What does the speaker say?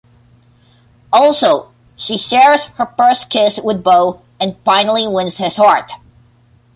Also, she shares her first kiss with Bo and finally wins his heart.